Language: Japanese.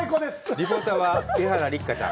リポーターは伊原六花ちゃん。